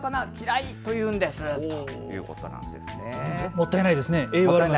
もったいないですね。